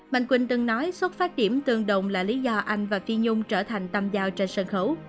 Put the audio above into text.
mạnh quỳnh từng nói xuất phát điểm tương đồng là lý do anh và phi nhung trở thành tâm giao trên sân khấu